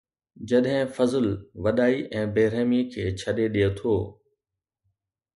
جڏهن فضل وڏائي ۽ بي رحمي کي ڇڏي ڏئي ٿو